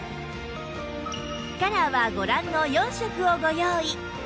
カラーはご覧の４色をご用意